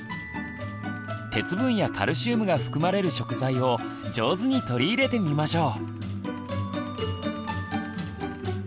鉄分やカルシウムが含まれる食材を上手に取り入れてみましょう。